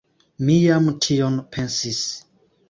Mi jam tion pensis.